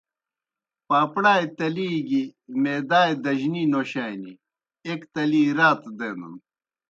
پاپڑائے تلی گیْ معدائے دجنی نوشانی۔ ایْک تلی رات دینَن۔